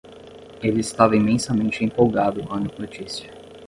Ele estava imensamente empolgado com a notícia.